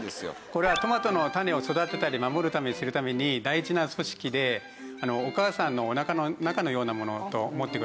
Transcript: これはトマトの種を育てたり守るためにするために大事な組織でお母さんのおなかの中のようなものと思ってください。